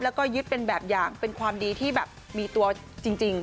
แล้วก็ยึดเป็นแบบอย่างเป็นความดีที่แบบมีตัวจริง